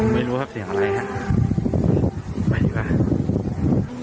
ไม่รู้ครับเสียงอะไรครับไม่รู้ครับ